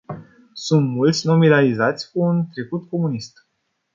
Sunt mulți nominalizați cu un trecut comunist.